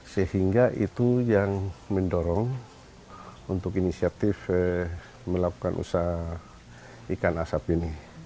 sehingga itu yang mendorong untuk inisiatif melakukan usaha ikan asap ini